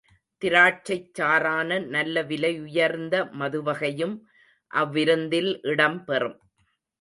திராட்சைச் சாறான நல்ல விலையுயர்ந்த மதுவகையும் அவ்விருந்தில் இடம் பெறும்.